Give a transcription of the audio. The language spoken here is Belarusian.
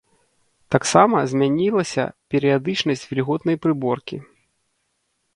Таксама змянілася перыядычнасць вільготнай прыборкі.